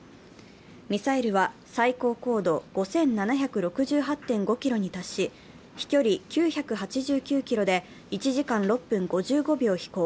ミサイルは最高高度は５７６８．５ｋｍに達し飛距離９８９ｋｍで１時間６分５５秒飛行。